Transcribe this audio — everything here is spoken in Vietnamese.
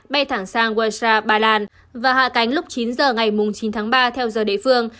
bay thẳng sang washi bà lan và hạ cánh lúc chín giờ ngày chín tháng ba theo giờ địa phương